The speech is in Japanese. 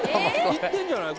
いってんじゃない？